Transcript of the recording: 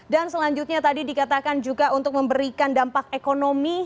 dan selanjutnya tadi dikatakan juga untuk memberikan dampak ekonomi